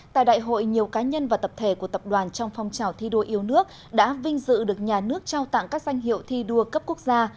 tại đại hội nhiều cá nhân và tập thể của tập đoàn trong phong trào thi đua yêu nước đã vinh dự được nhà nước trao tặng các danh hiệu thi đua cấp quốc gia